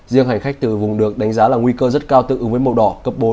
riêng hành khách từ vùng được đánh giá là nguy cơ rất cao tự ứng với màu đỏ cấp bốn